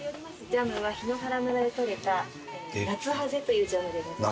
ジャムは檜原村で採れたナツハゼというジャムでございます。